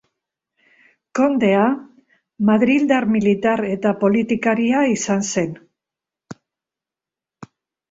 Kondea, madrildar militar eta politikaria izan zen.